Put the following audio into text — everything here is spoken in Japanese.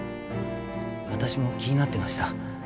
私も気になってました。